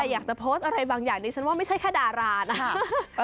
อยากจะโพสต์อะไรบางอย่างดิฉันว่าไม่ใช่แค่ดารานะคะ